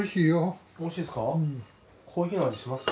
コーヒーの味しますか？